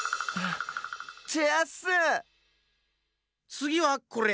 つぎはこれ。